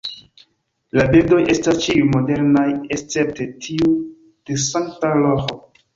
La bildoj estas ĉiuj modernaj escepte tiu de Sankta Roĥo.